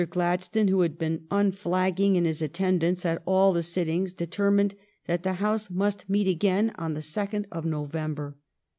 Gladstone, who had been unflagging in his attendance at all the sittings, determined that the House must meet again on the second of November.